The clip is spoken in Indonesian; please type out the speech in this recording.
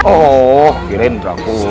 oh kirim takut